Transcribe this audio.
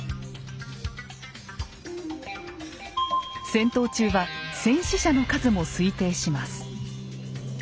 戦闘中は戦死者の数も推定します。